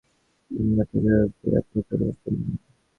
একটাকেই যদি নিন্দে কর তবে অন্যটাকেও রেয়াত করলে চলবে না।